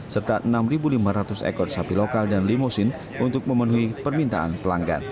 serta enam lima ratus ekor sapi lokal dan limusin untuk memenuhi permintaan pelanggan